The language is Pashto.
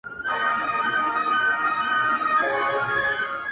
• هـغــه اوس سيــمــي د تـــــه ځـــــي.